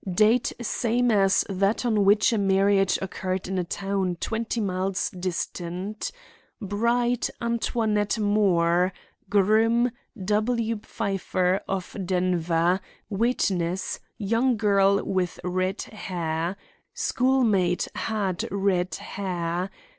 Date same as that on which a marriage occurred in a town twenty miles distant. Bride, Antoinette Moore; groom, W. Pfeiffer of Denver; witness, young girl with red hair. Schoolmate had red hair.